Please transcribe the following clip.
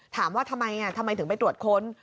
ถามว่าทำไมทำไมถึงไปตรวจค้น